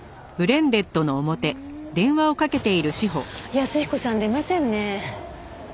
安彦さん出ませんね。